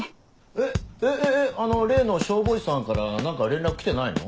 えっえっあの例の消防士さんから何か連絡来てないの？